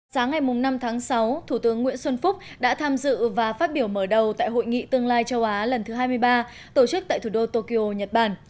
sáng ngày năm tháng sáu thủ tướng nguyễn xuân phúc đã tham dự và phát biểu mở đầu tại hội nghị tương lai châu á lần thứ hai mươi ba tổ chức tại thủ đô tokyo nhật bản